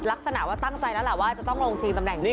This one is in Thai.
ลักษณะว่าตั้งใจแล้วล่ะว่าจะต้องลงชิงตำแหน่งนี้